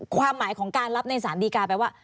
ความหมายของการรับในสารดีการแปลว่า